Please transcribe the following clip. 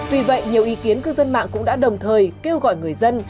vì vậy nhiều ý kiến cư dân mạng cũng đã đồng thời kêu gọi người dân